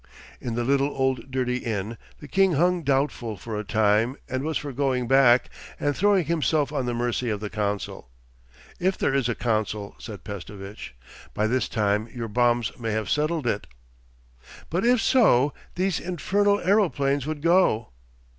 In the little old dirty inn the king hung doubtful for a time, and was for going back and throwing himself on the mercy of the council. 'If there is a council,' said Pestovitch. 'By this time your bombs may have settled it. 'But if so, these infernal aeroplanes would go.